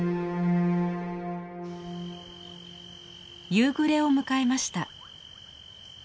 夕暮れを迎えました。